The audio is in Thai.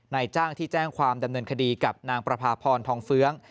นายจ้างที่แจ้งความดำเนินคดีกับนางประพาพรทองเฟื้อง